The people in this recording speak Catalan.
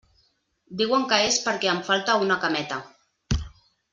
Diuen que és perquè em falta una cameta.